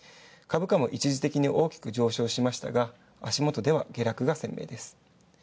株価も一時的に大きく上昇しましたが、足元では下落が鮮明です。